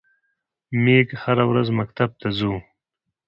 میږ هره ورځ مکتب ته څو.